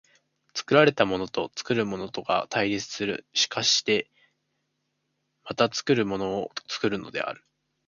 作られたものと作るものとが対立する、しかしてまた作るものを作るのである。